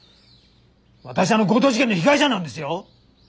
私はあの強盗事件の被害者なんですよ！